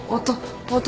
音。